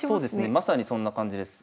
まさにそんな感じです。